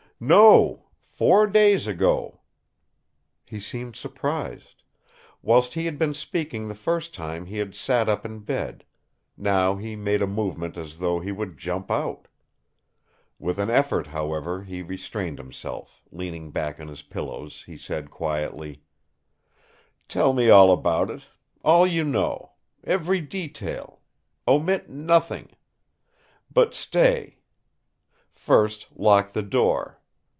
"No! four days ago." He seemed surprised. Whilst he had been speaking the first time he had sat up in bed; now he made a movement as though he would jump out. With an effort, however, he restrained himself; leaning back on his pillows he said quietly: "Tell me all about it! All you know! Every detail! Omit nothing! But stay; first lock the door!